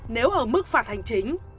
nếu ở mức phạt hành chính